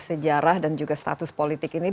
sejarah dan juga status politik ini